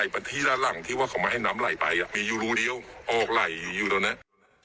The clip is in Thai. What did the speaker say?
เป็นที่ด้านหลังที่ว่าเขาไม่ให้น้ำไหลไปมีอยู่รูเดียวออกไหลอยู่ตรงนี้